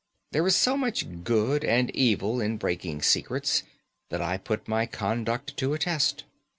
There is so much good and evil in breaking secrets, that I put my conduct to a test.